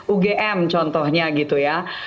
ugm contohnya gitu ya